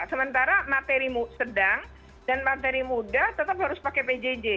sementara materi sedang dan materi muda tetap harus pakai pjj